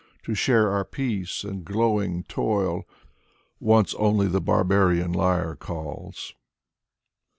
To share our peace and glowing toil Once only the barbarian lyre calls.